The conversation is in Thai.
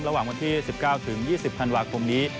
ระหว่างวันที่๑๙๒๐ธันวาคมนี้